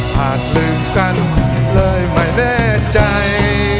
หากลืมกันเลยไม่แน่ใจ